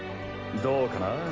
どうかな